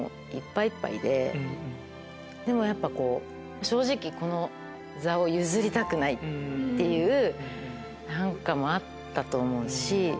でもやっぱ正直この座を譲りたくないっていう何かもあったと思うし。